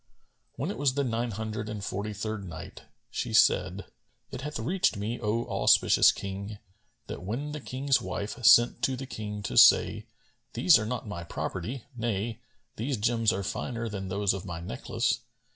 When it was the Nine Hundred and Forty third Night, She said, It hath reached me, O auspicious King, that when the King's wife sent to the King to say, "These are not my property; nay, these gems are finer than those of my necklace.